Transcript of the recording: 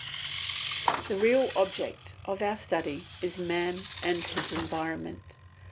The real object of our study is man and his environment.